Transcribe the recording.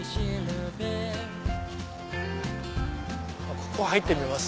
ここ入ってみます？